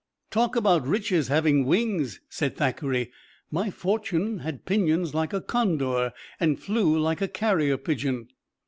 "Talk about riches having wings," said Thackeray; "my fortune had pinions like a condor, and flew like a carrier pigeon."